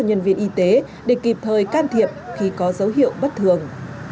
nhân viên y tế để kịp thời can thiệp khi có dấu hiệu bất thường